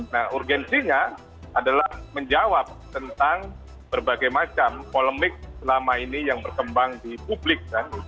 nah urgensinya adalah menjawab tentang berbagai macam polemik selama ini yang berkembang di publik